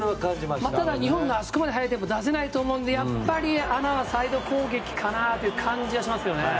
ただ、日本があそこまで速いテンポを出せないと思うのでやっぱり穴はサイド攻撃かなという感じはしますけどね。